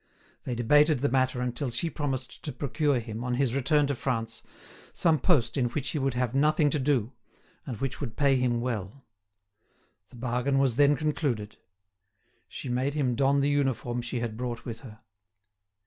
They debated the matter until she promised to procure him, on his return to France, some post in which he would have nothing to do, and which would pay him well. The bargain was then concluded. She made him don the uniform she had brought with her.